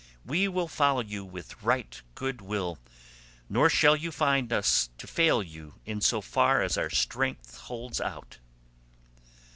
We will follow you with right good will, nor shall you find us fail you in so far as our strength holds out."